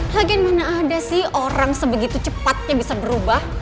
lagi mana ada sih orang sebegitu cepatnya bisa berubah